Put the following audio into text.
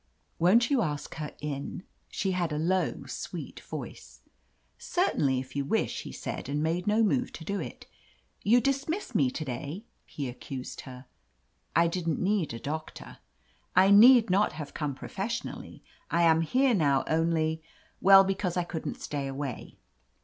"Won't you ask her in?" She had a low, sweet voice. Certainly, if you wish," he said, and made no move to do it. "You dismissed me to day," he accused her. "I didn't need a doctor." "I need not have come professionally. I am here now only — ^well, because I couldn't stay away."